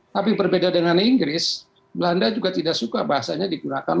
tapi berbeda dengan inggris belanda juga tidak suka bahasanya digunakan